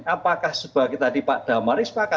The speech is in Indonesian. apakah sebagai tadi pak damar